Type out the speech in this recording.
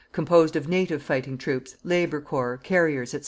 composed of native fighting troops, labour corps, carriers, &c.